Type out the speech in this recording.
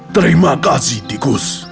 terima kasih tikus